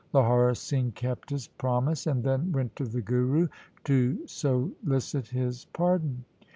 Lahaura Singh kept his promise, and then went to the Guru to solicit his pardon.